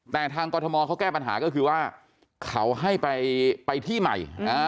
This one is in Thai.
แต่ทางกรทมเขาแก้ปัญหาก็คือว่าเขาให้ไปที่ใหม่